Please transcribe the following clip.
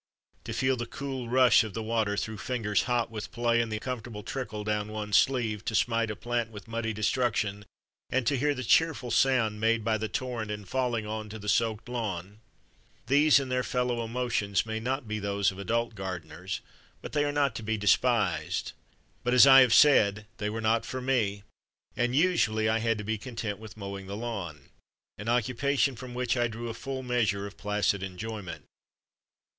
To feel the cool rush of the water through fingers hot with play and the comfortable trickle down one's sleeve, to smite a plant with muddy destruc tion and to hear the cheerful sound made THE BOY IN THE GARDEN 125 by the torrent in falling on to the soaked lawn these and their fellow emotions may not be those of adult gardeners, but they are not to be despised. But as I have said, they were not for me, and usually I had to be content with mowing the lawn, an occu pation from which I drew a full measure of placid enjoyment.